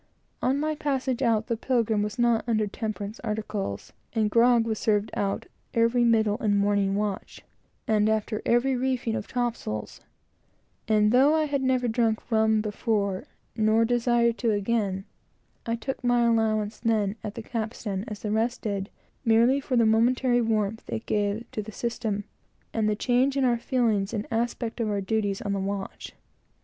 On my passage round Cape Horn before, the vessel that I was in was not under temperance articles, and grog was served out every middle and morning watch, and after every reefing of topsails; and though I had never drank rum before, and never intend to again, I took my allowance then at the capstan, as the rest did, merely for the momentary warmth it gave the system, and the change in our feelings and aspect of our duties on the watch.